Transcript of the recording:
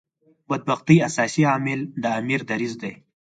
بدبختۍ اساسي عامل د امیر دریځ دی.